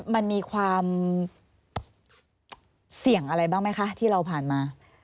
มันมีความเสี่ยงอะไรบ้างไหมคะที่เราผ่านมา